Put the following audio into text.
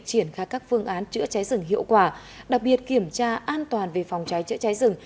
triển khai các phương án chữa cháy rừng hiệu quả đặc biệt kiểm tra an toàn về phòng cháy chữa cháy rừng